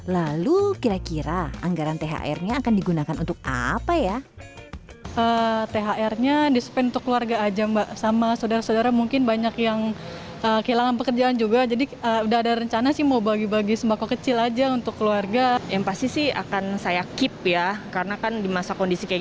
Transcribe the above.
lalu kira kira anggaran thr nya akan digunakan untuk apa ya